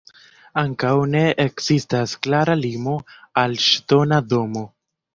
Ankaŭ ne ekzistas klara limo al ŝtona domo.